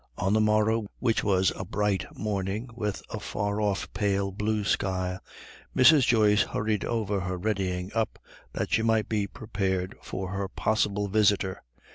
On the morrow, which was a bright morning with a far off pale blue sky, Mrs. Joyce hurried over her readying up, that she might be prepared for her possible visitor.